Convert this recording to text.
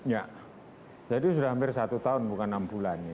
ya jadi sudah hampir satu tahun bukan enam bulan